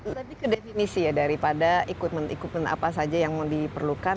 tapi ke definisi ya daripada equipment equipment apa saja yang mau diperlukan